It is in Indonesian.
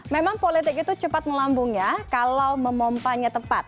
memang politik itu cepat melambung ya kalau memompanya tepat